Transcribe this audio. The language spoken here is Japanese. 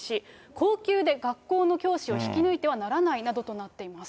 高給で学校の教師を引き抜いてはならないなどとなっています。